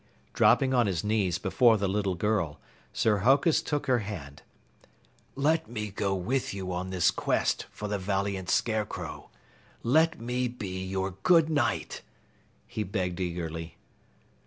Dropping on his knees before the little girl, Sir Hokus took her hand. "Let me go with you on this Quest for the valiant Scarecrow. Let me be your good Night!" he begged eagerly.